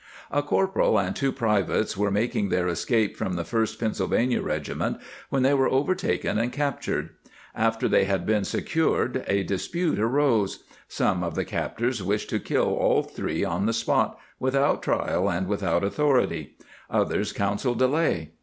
^ A corporal and two privates were making their escape from the First Pennsylvania Regiment when they were overtaken and captured. After they had been secured a dispute arose ; some of the captors wished to kill all three on the spot, without trial and without authority ; others coun selled delay.